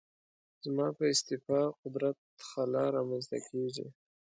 زما په استعفا قدرت خلا رامنځته کېږي.